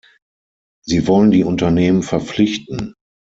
Sie wollen die Unternehmen verpflichten.